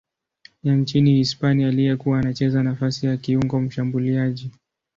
ya nchini Hispania aliyekuwa anacheza nafasi ya kiungo mshambuliaji.